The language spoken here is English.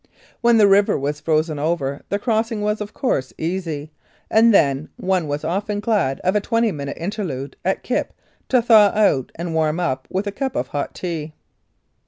When the river was frozen over the crossing was, of course, easy, and then one was often glad of a twenty minute interlude at Kipp to thaw out and warm up with a cup of hot tea.